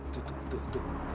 tuh tuh tuh